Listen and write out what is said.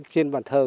trên bàn thờ